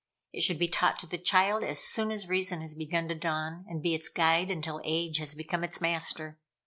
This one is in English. It should be taught to the child as soon as reason has begun to dawn, and be its guide until age has become its master.